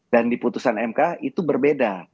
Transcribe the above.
dan di putusan mk itu berbeda